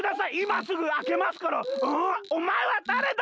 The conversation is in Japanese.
おまえはだれだ？